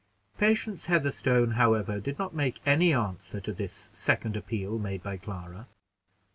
Patience Heatherstone, however, did not make any answer to this second appeal made by Clara.